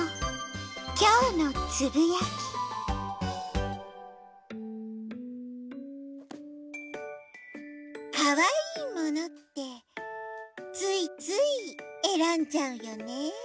「青空のゴーサイン」かわいいものってついついえらんじゃうよねえ。